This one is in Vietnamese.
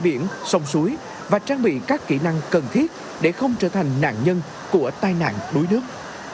biển sông suối và trang bị các kỹ năng cần thiết để không trở thành nạn nhân của tai nạn đuối nước